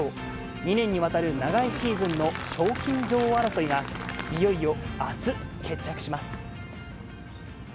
２年にわたる長いシーズンの賞金女王争いがいよいよあす、決着します。